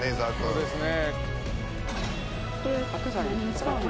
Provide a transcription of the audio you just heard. そうですね。